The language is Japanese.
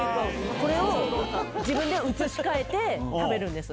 これを自分で移し替えて食べるんです。